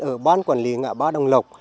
ở ban quản lý ngã ba đồng lộc